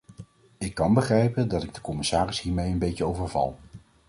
Ik kan begrijpen dat ik de commissaris hiermee een beetje overval.